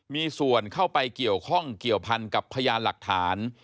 มีส่วนเข้าไปเกี่ยวข้องเกี่ยวพันกับพยานหลักฐาน